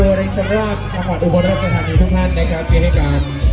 อวรกระทานอยู่ทุกท่านนะครับพรีให้การ